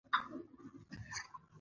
آیا اوس حالات نه بدلیږي؟